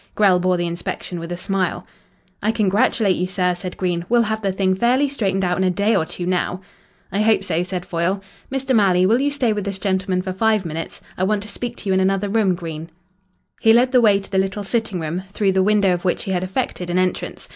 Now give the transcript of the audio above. Grell bore the inspection with a smile. "I congratulate you, sir," said Green. "We'll have the thing fairly straightened out in a day or two now." "I hope so," said Foyle. "Mr. Malley, will you stay with this gentleman for five minutes? I want to speak to you in another room, Green." He led the way to the little sitting room, through the window of which he had effected an entrance.